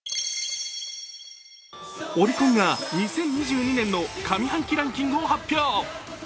オリコンが２０２２年の上半期ランキングを発表。